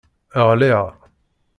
Ɣliɣ